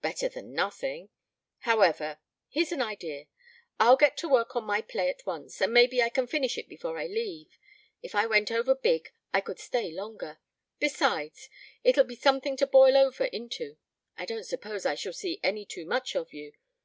"Better than nothing ... however here's an idea. I'll get to work on my play at once and maybe I can finish it before I leave. If it went over big I could stay longer. Besides, it'll be something to boil over into; I don't suppose I shall see any too much of you.